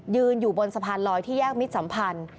ยืนอยู่บนสะพานลอยที่แยกมิตรสัมพันธ์